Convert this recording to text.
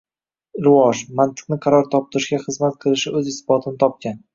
rivoj, mantiqni qaror toptirishga xizmat qilishi o‘z isbotini topgan.